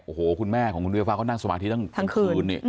โอ้โหคุณแม่ของคุณเวียฟ้าเขานั่งสมาธิตั้งทั้งคืน